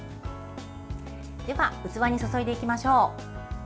では器に注いでいきましょう。